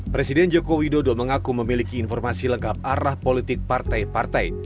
presiden joko widodo mengaku memiliki informasi lengkap arah politik partai partai